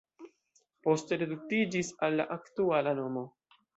Poste reduktiĝis al la aktuala nomo.